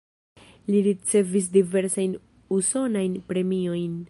Li ricevis diversajn usonajn premiojn.